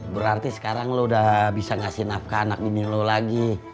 berarti sekarang lo udah bisa ngasih nafkah anak ini lo lagi